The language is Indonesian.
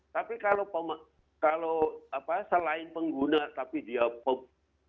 tapi kalau selain pengguna tapi dia pop